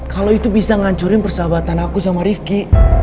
kalo itu bisa ngancurin persahabatan aku sama rifqi